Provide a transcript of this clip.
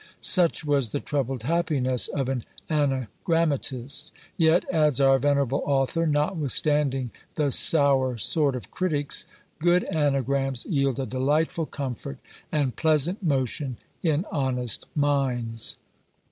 Such was the troubled happiness of an anagrammatist: yet, adds our venerable author, notwithstanding "the sour sort of critics, good anagrams yield a delightful comfort and pleasant motion in honest minds."